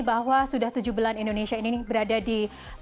bahwa sudah tujuh bulan indonesia ini berada di